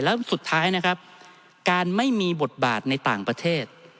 แล้วสุดท้ายนะครับการไม่มีบทบาทในต่างประเทศ